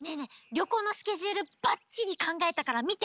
りょこうのスケジュールバッチリかんがえたからみて。